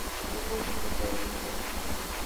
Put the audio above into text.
Tuvo esposa e hijos.